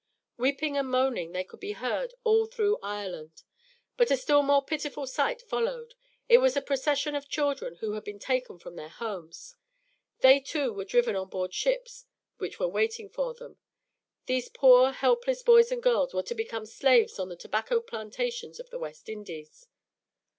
Weeping and moaning could be heard all through Ireland. But a still more pitiful sight followed. It was a procession of children who had been taken from their homes. They, too, were driven on board ships which were waiting for them. These poor helpless boys and girls were to become slaves on the tobacco plantations of the West Indies.